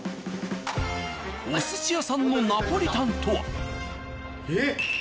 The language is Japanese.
お寿司屋さんのナポリタンとは？えっ！？